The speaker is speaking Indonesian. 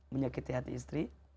menyakiti hati istri